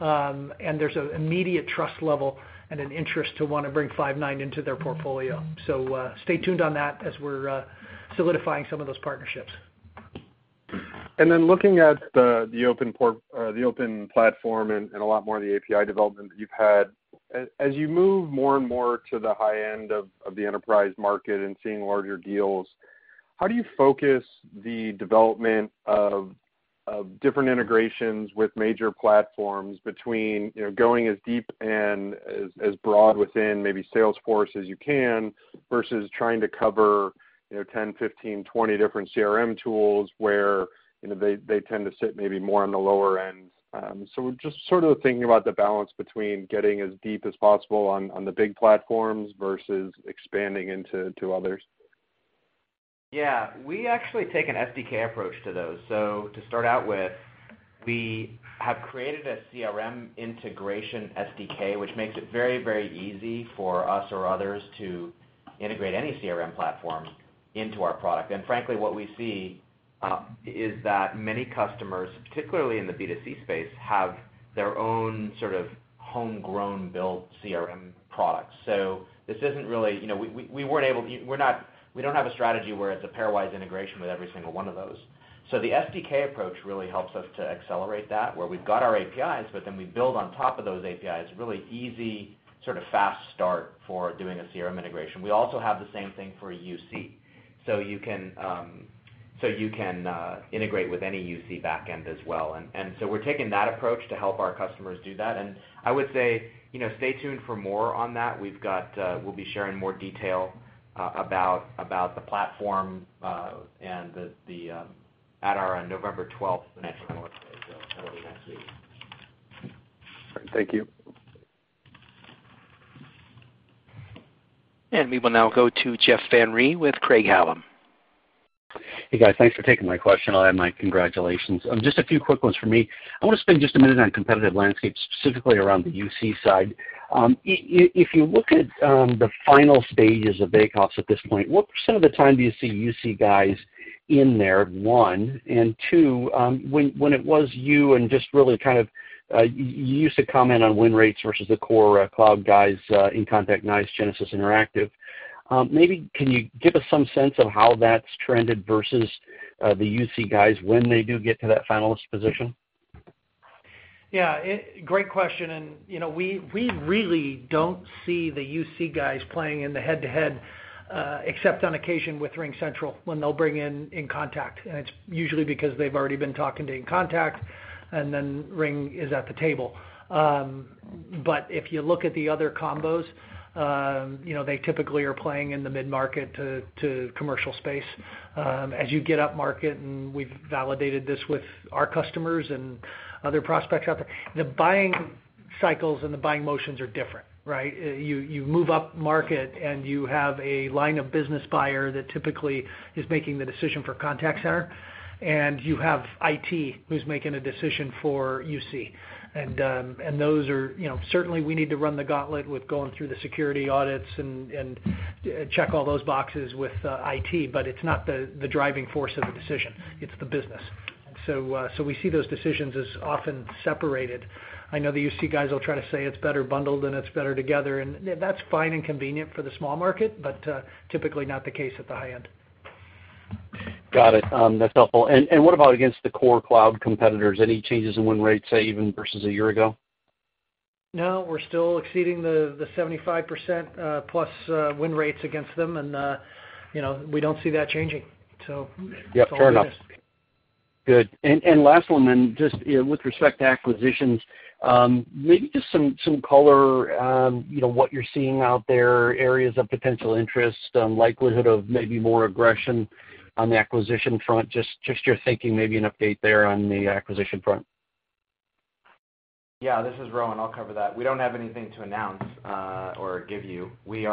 There's an immediate trust level and an interest to want to bring Five9 into their portfolio. Stay tuned on that as we're solidifying some of those partnerships. Looking at the open platform and a lot more of the API development that you've had, as you move more and more to the high end of the enterprise market and seeing larger deals, how do you focus the development of different integrations with major platforms between going as deep and as broad within maybe Salesforce as you can, versus trying to cover 10, 15, 20 different CRM tools where they tend to sit maybe more on the lower end? Just sort of thinking about the balance between getting as deep as possible on the big platforms versus expanding into others. Yeah. We actually take an SDK approach to those. To start out with, we have created a CRM integration SDK, which makes it very easy for us or others to integrate any CRM platform into our product. Frankly, what we see is that many customers, particularly in the B2C space, have their own sort of homegrown built CRM products. We don't have a strategy where it's a pairwise integration with every single one of those. The SDK approach really helps us to accelerate that, where we've got our APIs, we build on top of those APIs really easy, sort of fast start for doing a CRM integration. We also have the same thing for UC, you can integrate with any UC backend as well. We're taking that approach to help our customers do that, and I would say stay tuned for more on that. We'll be sharing more detail about the platform at our November 12th financial update, so that'll be next week. Thank you. We will now go to Jeff Van Rhee with Craig-Hallum. Hey, guys. Thanks for taking my question. I'll add my congratulations. Just a few quick ones from me. I want to spend just a minute on competitive landscape, specifically around the UC side. If you look at the final stages of bake-offs at this point, what % of the time do you see UC guys in there, one? Two, when it was you and just really You used to comment on win rates versus the core cloud guys, InContact, NICE, Genesys, Interactive. Maybe can you give us some sense of how that's trended versus the UC guys when they do get to that finalist position? Yeah. Great question. We really don't see the UC guys playing in the head-to-head, except on occasion with RingCentral, when they'll bring in inContact. It's usually because they've already been talking to inContact. Ring is at the table. If you look at the other combos, they typically are playing in the mid-market to commercial space. As you get up market, we've validated this with our customers and other prospects out there, the buying cycles and the buying motions are different, right? You move up market, you have a line of business buyer that typically is making the decision for contact center, and you have IT who's making a decision for UC. Certainly we need to run the gauntlet with going through the security audits and check all those boxes with IT, it's not the driving force of the decision. It's the business. We see those decisions as often separated. I know the UC guys will try to say it's better bundled and it's better together, and that's fine and convenient for the small market, but typically not the case at the high end. Got it. That's helpful. What about against the core cloud competitors? Any changes in win rates, say, even versus a year ago? No, we're still exceeding the 75%+ win rates against them, and we don't see that changing. That's all we need. Yep, fair enough. Good. Last one then, just with respect to acquisitions, maybe just some color on what you're seeing out there, areas of potential interest, likelihood of maybe more aggression on the acquisition front. Just your thinking, maybe an update there on the acquisition front. Yeah. This is Rowan. I'll cover that. We don't have anything to announce or give you. We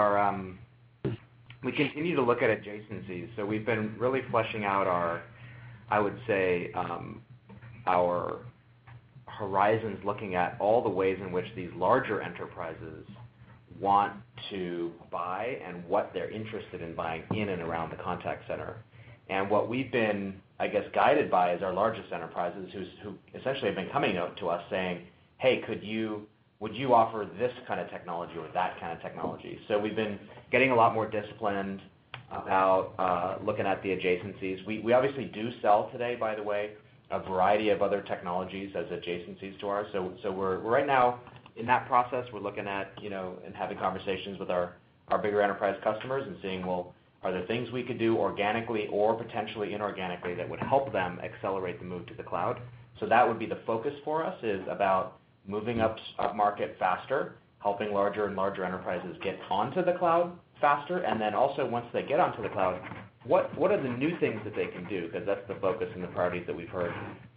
continue to look at adjacencies. We've been really fleshing out our, I would say, our horizons, looking at all the ways in which these larger enterprises want to buy and what they're interested in buying in and around the contact center. What we've been, I guess, guided by is our largest enterprises, who essentially have been coming out to us saying, "Hey, would you offer this kind of technology or that kind of technology?" We've been getting a lot more disciplined about looking at the adjacencies. We obviously do sell today, by the way, a variety of other technologies as adjacencies to ours. We're right now in that process. We're looking at and having conversations with our bigger enterprise customers and seeing, well, are there things we could do organically or potentially inorganically that would help them accelerate the move to the cloud? That would be the focus for us is about moving up market faster, helping larger and larger enterprises get onto the cloud faster, and then also once they get onto the cloud, what are the new things that they can do? That's the focus and the priorities that we've heard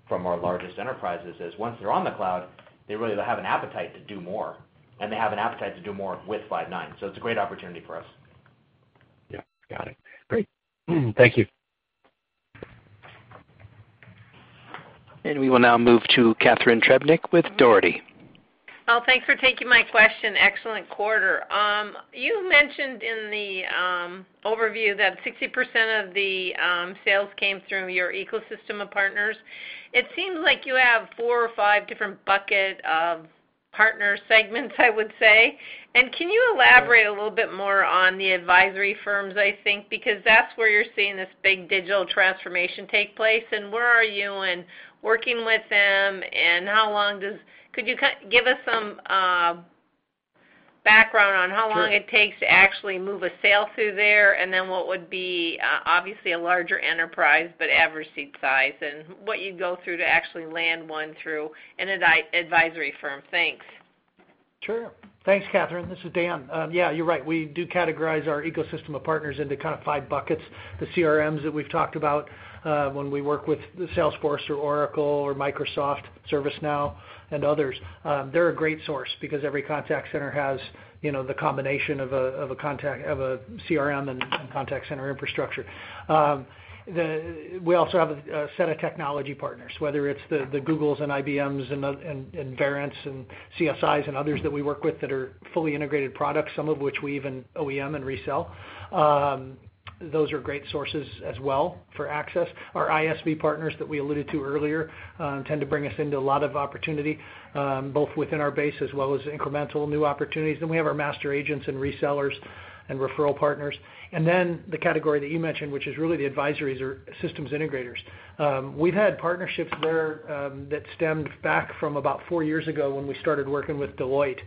from our largest enterprises is once they're on the cloud, they really have an appetite to do more, and they have an appetite to do more with Five9. It's a great opportunity for us. Yeah. Got it. Great. Thank you. We will now move to Catharine Trebnick with Dougherty & Company. Well, thanks for taking my question. Excellent quarter. You mentioned in the overview that 60% of the sales came through your ecosystem of partners. It seems like you have four or five different bucket of partner segments, I would say. Can you elaborate a little bit more on the advisory firms, I think, because that's where you're seeing this big digital transformation take place, and where are you in working with them, and could you give us some background on how long it takes to actually move a sale through there, and then what would be, obviously, a larger enterprise, but average seat size, and what you go through to actually land one through an advisory firm? Thanks. Sure. Thanks, Catharine. This is Dan. Yeah, you're right. We do categorize our ecosystem of partners into kind of five buckets. The CRMs that we've talked about, when we work with Salesforce or Oracle or Microsoft, ServiceNow and others. They're a great source because every contact center has the combination of a CRM and contact center infrastructure. We also have a set of technology partners, whether it's the Googles and IBMs and Verints and CSIs and others that we work with that are fully integrated products, some of which we even OEM and resell. Those are great sources as well for access. Our ISV partners that we alluded to earlier tend to bring us into a lot of opportunity, both within our base as well as incremental new opportunities. We have our master agents and resellers and referral partners. The category that you mentioned, which is really the advisories or systems integrators. We've had partnerships there that stemmed back from about four years ago when we started working with Deloitte.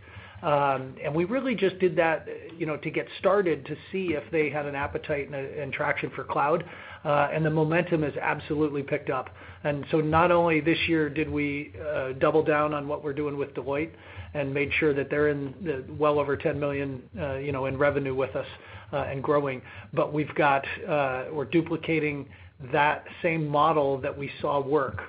We really just did that to get started, to see if they had an appetite and traction for cloud. The momentum has absolutely picked up. Not only this year did we double down on what we're doing with Deloitte and made sure that they're in well over $10 million in revenue with us, and growing, but we're duplicating that same model that we saw work.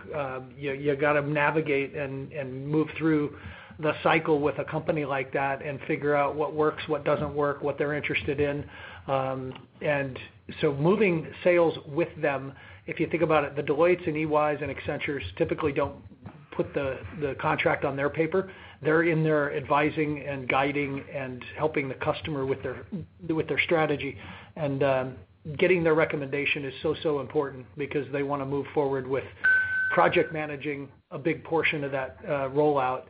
You got to navigate and move through the cycle with a company like that and figure out what works, what doesn't work, what they're interested in. Moving sales with them, if you think about it, the Deloittes and EYs and Accentures typically don't put the contract on their paper. They're in there advising and guiding and helping the customer with their strategy. Getting their recommendation is so important because they want to move forward with project managing a big portion of that rollout.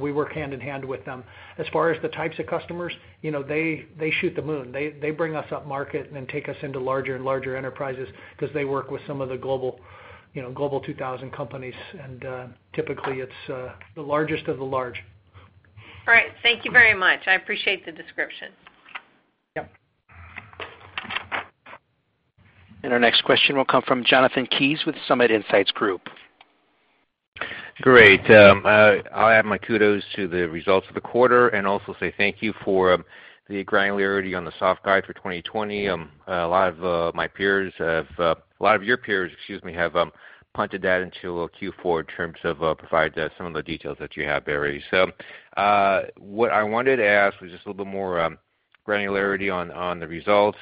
We work hand-in-hand with them. As far as the types of customers, they shoot the moon. They bring us up market and then take us into larger and larger enterprises because they work with some of the Global 2000 companies, and typically it's the largest of the large. All right. Thank you very much. I appreciate the description. Yep. Our next question will come from Jonathan Kees with Summit Insights Group. Great. I'll add my kudos to the results of the quarter and also say thank you for the granularity on the soft guide for 2020. A lot of your peers have punted that into Q4 in terms of providing some of the details that you have, Barry. What I wanted to ask was just a little bit more granularity on the results,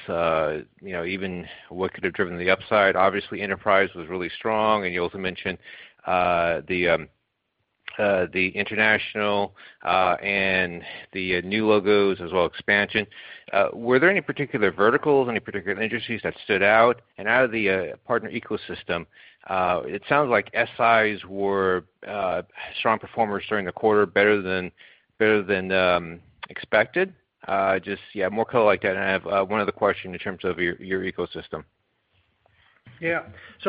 even what could have driven the upside. Obviously, enterprise was really strong, and you also mentioned the international, and the new logos as well, expansion. Were there any particular verticals, any particular industries that stood out? Out of the partner ecosystem, it sounds like SIs were strong performers during the quarter, better than expected. Just more color like that. I have one other question in terms of your ecosystem. Yeah.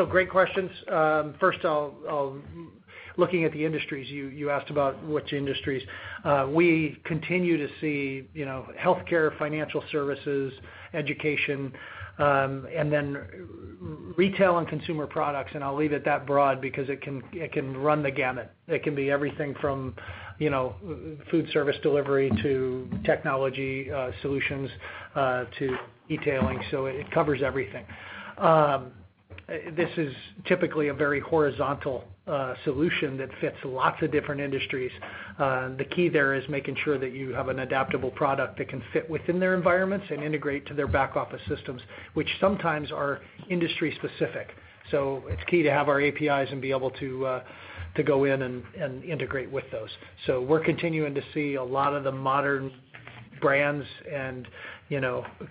Great questions. First, looking at the industries, you asked about which industries. We continue to see healthcare, financial services, education, and then retail and consumer products, and I'll leave it that broad because it can run the gamut. It can be everything from food service delivery to technology solutions to e-tailing. It covers everything. This is typically a very horizontal solution that fits lots of different industries. The key there is making sure that you have an adaptable product that can fit within their environments and integrate to their back office systems, which sometimes are industry-specific. It's key to have our APIs and be able to go in and integrate with those. We're continuing to see a lot of the modern brands and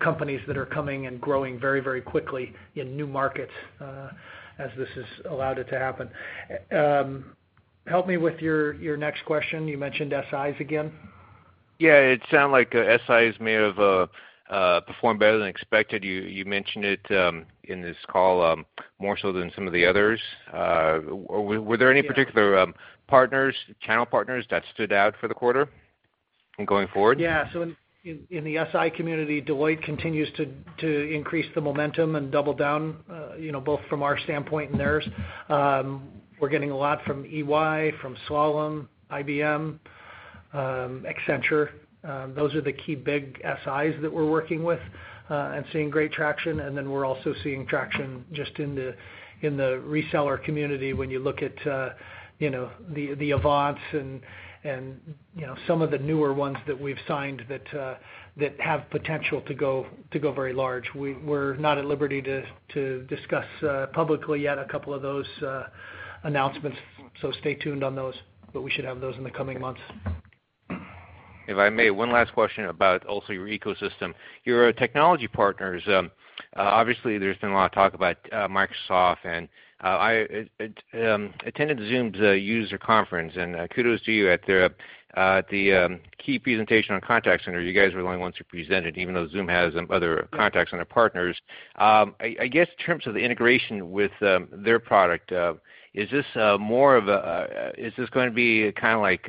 companies that are coming and growing very, very quickly in new markets, as this has allowed it to happen. Help me with your next question. You mentioned SIs again? Yeah, it sounded like SIs may have performed better than expected. You mentioned it in this call more so than some of the others. Were there any particular partners, channel partners, that stood out for the quarter and going forward? Yeah. In the SI community, Deloitte continues to increase the momentum and double down, both from our standpoint and theirs. We're getting a lot from EY, from Slalom, IBM, Accenture. Those are the key big SIs that we're working with, and seeing great traction. We're also seeing traction just in the reseller community when you look at the Avant and some of the newer ones that we've signed that have potential to go very large. We're not at liberty to discuss publicly yet a couple of those announcements, stay tuned on those, but we should have those in the coming months. If I may, one last question about also your ecosystem. Your technology partners, obviously there's been a lot of talk about Microsoft and I attended Zoom's user conference, and kudos to you at the key presentation on contact center. You guys were the only ones who presented, even though Zoom has other contact center partners. I guess in terms of the integration with their product, is this going to be kind of like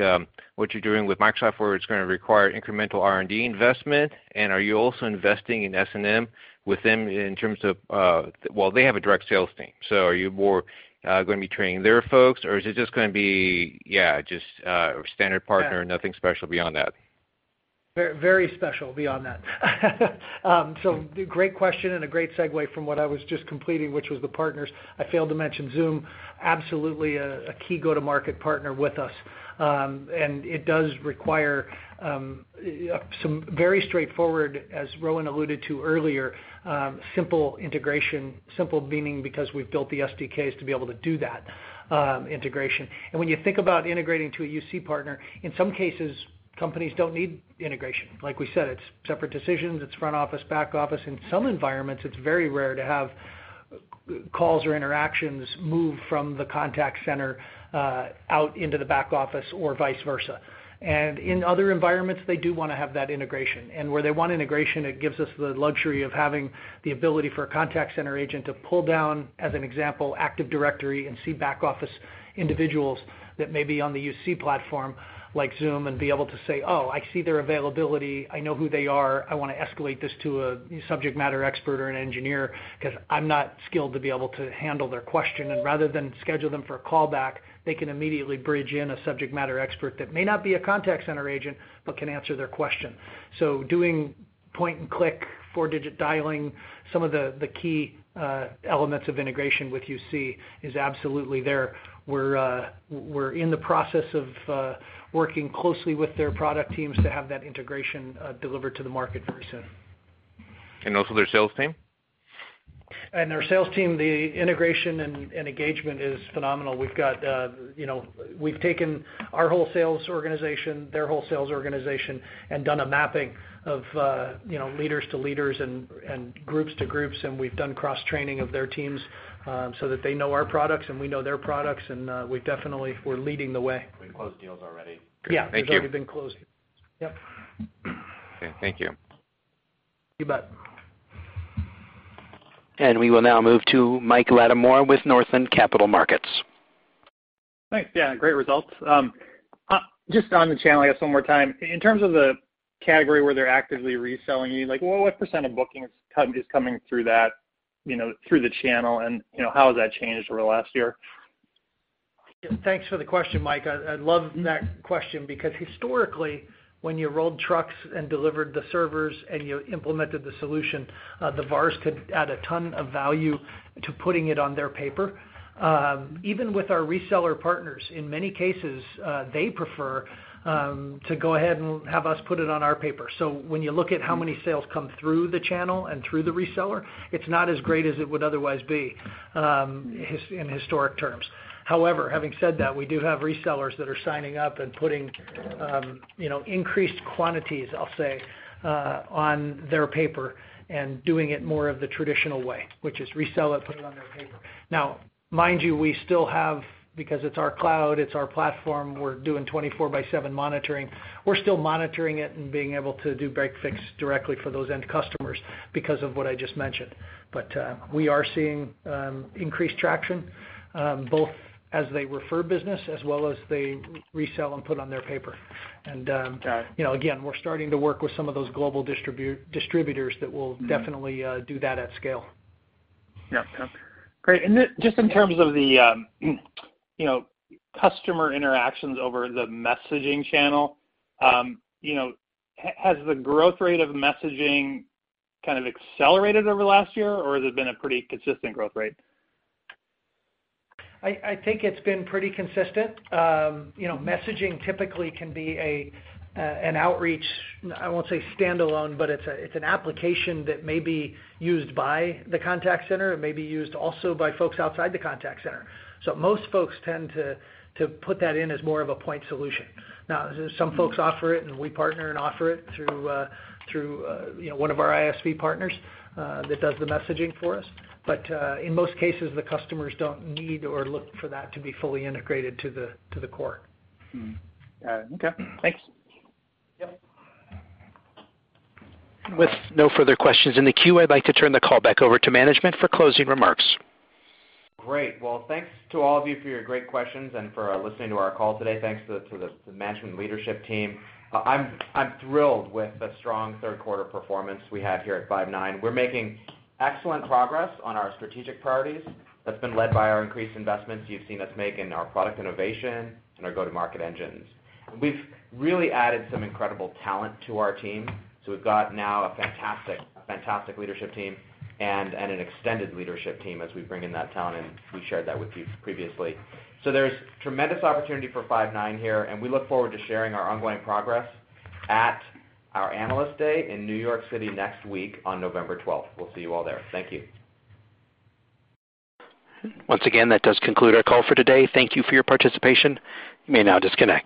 what you're doing with Microsoft, where it's going to require incremental R&D investment? Are you also investing in S&M with them in terms of-- well, they have a direct sales team, so are you more going to be training their folks or is it just going to be just a standard partner, nothing special beyond that? Very special beyond that. Great question and a great segue from what I was just completing, which was the partners. I failed to mention Zoom, absolutely a key go-to-market partner with us. It does require some very straightforward, as Rowan alluded to earlier, simple integration. Simple meaning because we've built the SDKs to be able to do that integration. When you think about integrating to a UC partner, in some cases, companies don't need integration. Like we said, it's separate decisions. It's front office, back office. In some environments, it's very rare to have calls or interactions move from the contact center out into the back office or vice versa. In other environments, they do want to have that integration. Where they want integration, it gives us the luxury of having the ability for a contact center agent to pull down, as an example, Active Directory and see back-office individuals that may be on the UC platform like Zoom and be able to say, "Oh, I see their availability. I know who they are. I want to escalate this to a subject matter expert or an engineer because I'm not skilled to be able to handle their question." Rather than schedule them for a call back, they can immediately bridge in a subject matter expert that may not be a contact center agent but can answer their question. Doing point-and-click, four-digit dialing, some of the key elements of integration with UC is absolutely there. We're in the process of working closely with their product teams to have that integration delivered to the market very soon. Also their sales team? Their sales team, the integration and engagement is phenomenal. We've taken our whole sales organization, their whole sales organization, and done a mapping of leaders to leaders and groups to groups, and we've done cross-training of their teams, so that they know our products and we know their products, and we're leading the way. We closed deals already. Yeah. Thank you. There's already been closing. Yep. Okay. Thank you. You bet. We will now move to Michael Latimore with Northland Capital Markets. Thanks. Yeah, great results. Just on the channel, I guess one more time, in terms of the category where they're actively reselling you, what % of bookings is coming through the channel, and how has that changed over the last year? Thanks for the question, Mike. I love that question because historically, when you rolled trucks and delivered the servers and you implemented the solution, the VARs could add a ton of value to putting it on their paper. Even with our reseller partners, in many cases, they prefer to go ahead and have us put it on our paper. When you look at how many sales come through the channel and through the reseller, it's not as great as it would otherwise be in historic terms. However, having said that, we do have resellers that are signing up and putting increased quantities, I'll say, on their paper and doing it more of the traditional way, which is resell it, put it on their paper. Mind you, we still have, because it's our cloud, it's our platform, we're doing 24 by seven monitoring. We're still monitoring it and being able to do break-fix directly for those end customers because of what I just mentioned. We are seeing increased traction, both as they refer business as well as they resell and put on their paper. Got it. Again, we're starting to work with some of those global distributors that will definitely do that at scale. Yeah. Great. Just in terms of the customer interactions over the messaging channel, has the growth rate of messaging kind of accelerated over the last year, or has it been a pretty consistent growth rate? I think it's been pretty consistent. Messaging typically can be an outreach, I won't say standalone, but it's an application that may be used by the contact center. It may be used also by folks outside the contact center. Most folks tend to put that in as more of a point solution. Now, some folks offer it, and we partner and offer it through one of our ISV partners that does the messaging for us. In most cases, the customers don't need or look for that to be fully integrated to the core. Got it. Okay. Thanks. Yep. With no further questions in the queue, I'd like to turn the call back over to management for closing remarks. Great. Well, thanks to all of you for your great questions and for listening to our call today. Thanks to the management leadership team. I'm thrilled with the strong third quarter performance we had here at Five9. We're making excellent progress on our strategic priorities. That's been led by our increased investments you've seen us make in our product innovation and our go-to-market engines. We've really added some incredible talent to our team. We've got now a fantastic leadership team and an extended leadership team as we bring in that talent, and we shared that with you previously. There's tremendous opportunity for Five9 here, and we look forward to sharing our ongoing progress at our Analyst Day in New York City next week on November 12th. We'll see you all there. Thank you. Once again, that does conclude our call for today. Thank you for your participation. You may now disconnect.